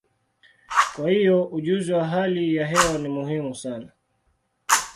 Kwa hiyo, ujuzi wa hali ya hewa ni muhimu sana.